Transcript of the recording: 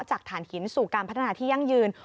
ถ่านหินสู่การพัฒนาที่ยั่งยืน